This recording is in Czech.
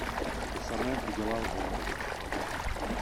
To samé udělá Henrich.